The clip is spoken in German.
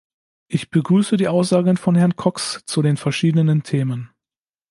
Ich begrüße die Aussagen von Herrn Cox zu den verschiedenen Themen.